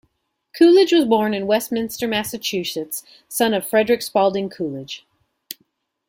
Coolidge was born in Westminster, Massachusetts, son of Frederick Spaulding Coolidge.